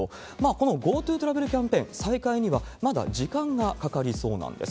このＧｏＴｏトラベルキャンペーン、再開にはまだ時間がかかりそうなんです。